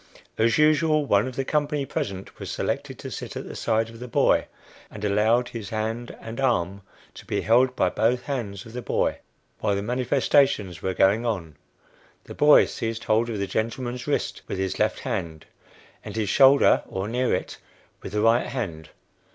"As usual, one of the company present was selected to sit at the side of the boy, and allowed his hand and arm to be held by both hands of the boy while the manifestations were going on. The boy seized hold of the gentleman's wrist with his left hand, and his shoulder, or near it, with the right hand.